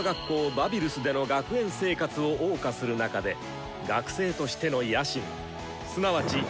バビルスでの学園生活をおう歌する中で学生としての野心すなわち目標を定める。